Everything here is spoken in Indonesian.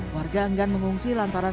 warga anggan mengungsi lantaran